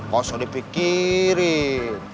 gak usah dipikirin